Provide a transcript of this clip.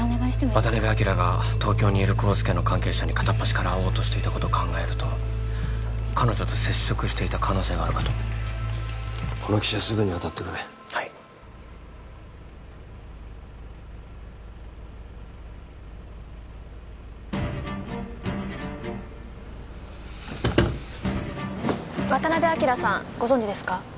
渡辺昭が東京にいる康介の関係者に片っ端から会おうとしていたことを考えると彼女と接触していた可能性があるかとこの記者すぐに当たってくれはい渡辺昭さんご存じですか？